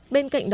bên cạnh đó